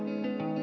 siang tak lama